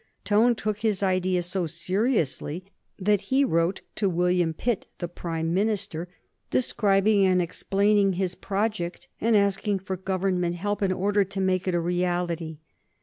Tone took his idea so seriously that he wrote to William Pitt, the Prime Minister, describing and explaining his project and asking for Government help in order to make it a reality.